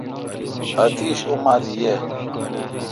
آتش اوماتھ ییں۔